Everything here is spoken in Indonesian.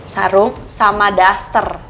sarung sama duster